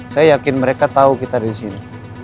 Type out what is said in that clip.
saya yakin mereka tahu kita ada disini